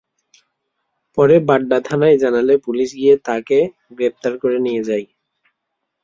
পরে বাড্ডা থানায় জানালে পুলিশ গিয়ে তাঁকে গ্রেপ্তার করে নিয়ে যায়।